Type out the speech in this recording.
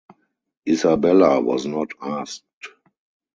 Isabella was not asked.